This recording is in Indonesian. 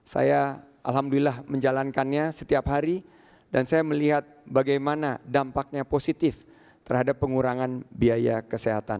saya alhamdulillah menjalankannya setiap hari dan saya melihat bagaimana dampaknya positif terhadap pengurangan biaya kesehatan